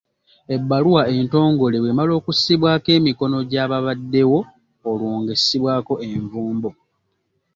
Ebbaluwa entongole bw'emala okussibwako emikono gy'ababaddewo olwo nga essibwako envumbo.